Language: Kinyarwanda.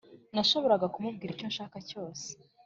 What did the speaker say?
nashoboraga kumubwira icyo nshaka cyose.”